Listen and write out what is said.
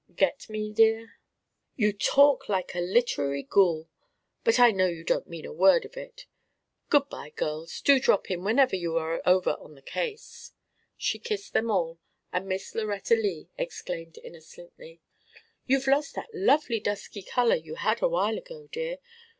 Get me, dear?" "You talk like a literary ghoul. But I know you don't mean a word of it. Good bye, girls. Do drop in whenever you are over on the case." She kissed them all, and Miss Lauretta Lea exclaimed innocently: "You've lost that lovely dusky colour you had awhile ago, dear.